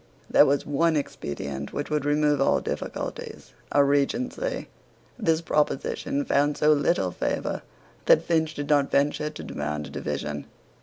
There was one expedient which would remove all difficulties, a Regency. This proposition found so little favour that Finch did not venture to demand a division.